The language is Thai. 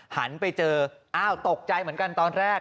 หันไปเจออ้าวตกใจเหมือนกันตอนแรก